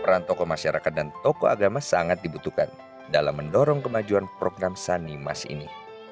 peran tokoh masyarakat dan tokoh agama sangat dibutuhkan dalam mendorong kemajuan program sanimas ini